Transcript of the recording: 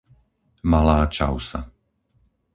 Malá Čausa